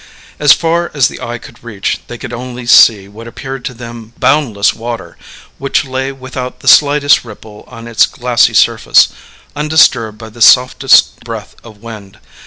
As far as the eye could reach they could only see what appeared to them boundless water, which lay without the slightest ripple on its glassy surface, undisturbed by the softest breath of wind.